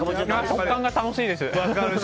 食感が楽しいです。